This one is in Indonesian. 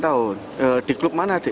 enam tahun di klub mana dek